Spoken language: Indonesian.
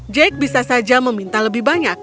jake bisa saja meminta lebih banyak